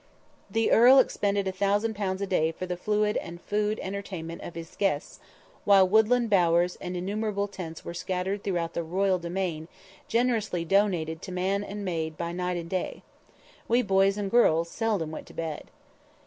The Earl expended a thousand pounds a day for the fluid and food entertainment of his guests, while woodland bowers and innumerable tents were scattered through the royal domain generously donated to man and maid by night and day. We boys and girls seldom went to bed.